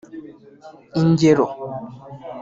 Ingero